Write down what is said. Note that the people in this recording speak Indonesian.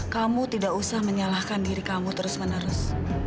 kamu tidak usah menyalahkan diri kamu terus menerus